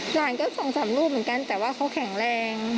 หลานก็๒๓รูปเหมือนกันแต่ว่าเขาแข็งแรง